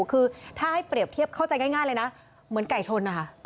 คือถ้าให้เปรียบเทียบเข้าใจง่ายเลยนะเหมือนไก่ชนนะคะ